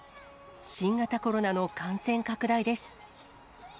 新型コロナの感染拡大です。